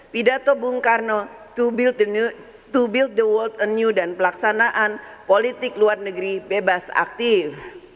pidato bung karno to build the world a new dan pelaksanaan politik luar negeri bebas aktif